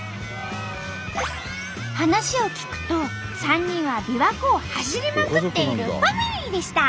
話を聞くと３人はびわ湖を走りまくっているファミリーでした！